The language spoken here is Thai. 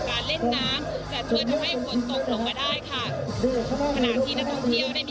ขอบคุณครับ